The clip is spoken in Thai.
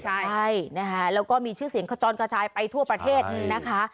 ใช่นะคะแล้วก็มีชื่อเสียงขจรกระชายไปทั่วประเทศนะคะ